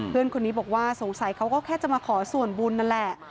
เพื่อนคนนี้บอกว่าสงสัยเขาก็แค่จะมาขอส่วนบุญนั่นแหละ